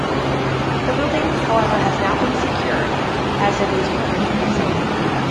The building, however has now been secured as it is rumoured to be sold.